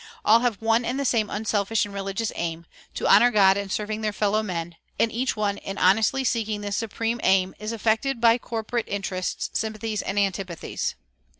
All have one and the same unselfish and religious aim to honor God in serving their fellow men; and each one, in honestly seeking this supreme aim, is affected by its corporate interests, sympathies, and antipathies.